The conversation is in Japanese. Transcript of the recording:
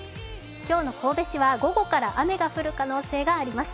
今日の神戸市は午後から雨の降る可能性があります。